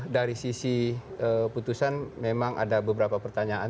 dari sisi putusan memang ada beberapa pertanyaan